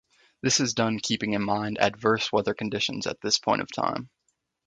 This is done keeping in mind adverse weather conditions at this point of time.